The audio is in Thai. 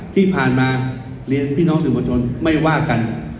ที่ผ่านมาเรียนพี่น้องสื่อมวลชนไม่ว่ากัน